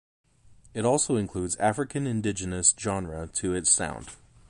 It also includes African Indigenous Genre to its sound.